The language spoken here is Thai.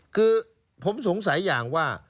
คือผมสงสัยอย่างว่า